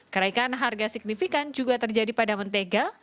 kenaikan harga signifikan juga terjadi pada mentega